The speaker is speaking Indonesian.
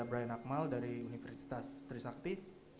brian akmal dari universitas trisakti